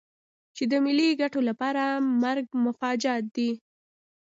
چې د ملي ګټو لپاره مرګ مفاجات دی.